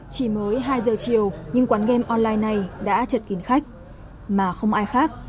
chỉ mới hai giờ chiều nhưng quán game online này đã chật kín khách mà không ai khác